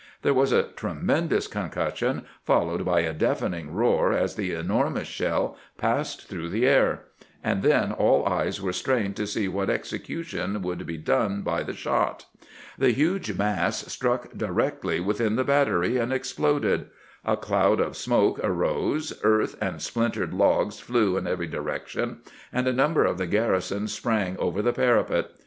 There was a tremendous concussion, followed by a deafening roar as the enor mous shell passed through the air ; and then all eyes were strained to see what execution would be done by the shot. The huge mass struck directly within the battery, and exploded. A cloud of smoke arose, earth and splin tered logs flew in every direction, and a number of the garrison sprang over the parapet.